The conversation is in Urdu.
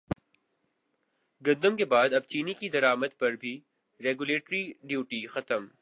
گندم کے بعد اب چینی کی درامد پر بھی ریگولیٹری ڈیوٹی ختم